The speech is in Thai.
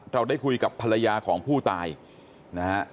เราได้คุยกับภรรยาของผู้ตายนะฮะ